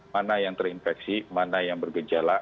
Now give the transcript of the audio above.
mana yang terinfeksi mana yang bergejala